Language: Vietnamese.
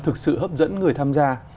thực sự hấp dẫn người tham gia